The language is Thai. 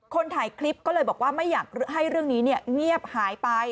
ถ่ายคลิปก็เลยบอกว่าไม่อยากให้เรื่องนี้เงียบหายไป